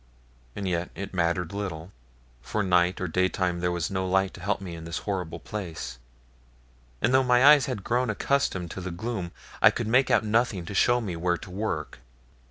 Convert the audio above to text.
And yet it mattered little, for night or daytime there was no light to help me in this horrible place; and though my eyes had grown accustomed to the gloom, I could make out nothing to show me where to work.